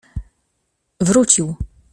Wrócił.